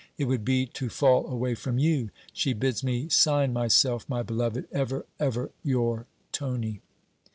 It would be to fall away from you. She bids me sign myself, my beloved, ever, ever your Tony.'